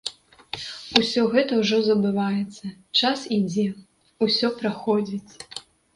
Усё гэта ўжо забываецца, час ідзе, усё праходзіць.